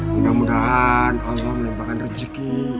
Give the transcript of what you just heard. mudah mudahan allah melimpahkan rejeki